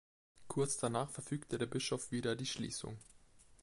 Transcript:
Kurz danach verfügte der Bischof wieder die Schließung.